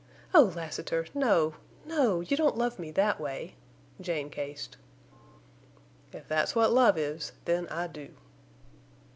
"Oh, Lassiter—no—no—you don't love me that way!" Jane cased. "If that's what love is, then I do."